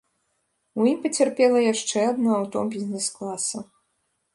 У ім пацярпела яшчэ адно аўто бізнес-класа.